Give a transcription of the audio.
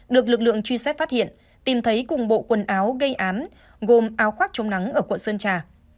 được lực lượng truy xét phát hiện tìm thấy cùng bộ quần áo gây án gồm áo khoác chống nắng ở quận sơn trà